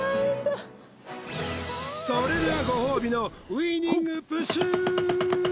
それではご褒美のウイニングプシュー！